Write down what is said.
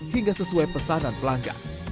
hingga sesuai pesanan pelanggan